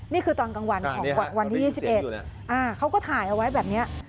นี่คือตอนกลางวันของวันที่๒๑เขาก็ถ่ายเอาไว้แบบนี้